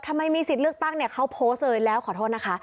ทำไมมีสิทธิ์เลือกตั้งเนี่ยเขาโพสต์เลยแล้วขอโทษนะคะ